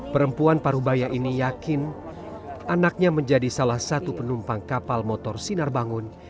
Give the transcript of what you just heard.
perempuan paruh baya ini yakin anaknya menjadi salah satu penumpang kapal motor sinar bangun